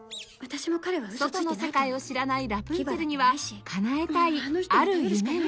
外の世界を知らないラプンツェルにはかなえたいある夢が